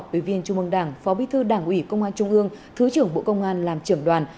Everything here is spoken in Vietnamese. ủy viên trung ương đảng phó bí thư đảng ủy công an trung ương thứ trưởng bộ công an làm trưởng đoàn